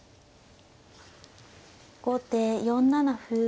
後手４七歩。